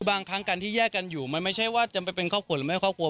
บางครั้งการที่แยกกันอยู่มันไม่ใช่ว่าจะไปเป็นครอบครัวหรือไม่ครอบครัว